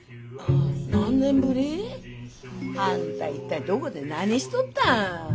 何年ぶり？あんた一体どこで何しとった？